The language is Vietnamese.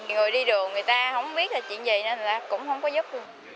người đi đường người ta không biết là chuyện gì nên là cũng không có giúp